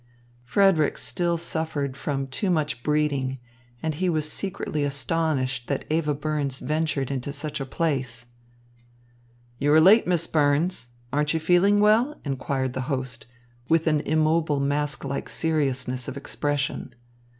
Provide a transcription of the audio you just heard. Frederick still suffered from too much breeding, and he was secretly astonished that Eva Burns ventured into such a place. "You are late, Miss Burns. Aren't you feeling well?" inquired the host, with an immobile mask like seriousness of expression.